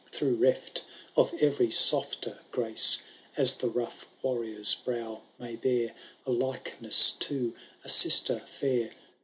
Though reft of every softer grace, As the rough wairior*s brow may bear A likeness to a sister fiiir.